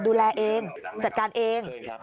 ดูแลเองจัดการเอง